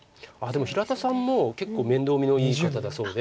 でも平田さんも結構面倒見のいい方だそうで。